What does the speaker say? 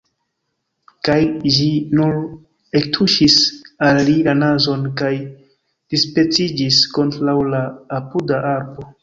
Kaj ĝi nur ektuŝis al li la nazon, kaj dispeciĝis kontraŭ la apuda arbo.